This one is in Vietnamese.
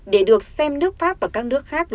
để được xem nước pháp và các nước khác